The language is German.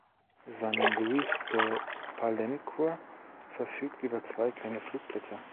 San Luis de Palenque verfügt über zwei kleine Flugplätze.